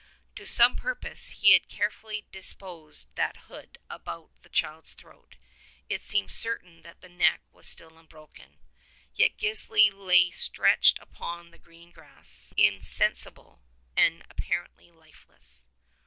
To some pirrpose had he so carefully disposed that hood about the child's throat. It seemed certain that the neck was still unbroken. Yet Gisli lay stretched upon the green grass, insensible, and apparently lifeless.